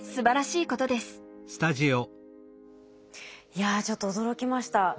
いやちょっと驚きました。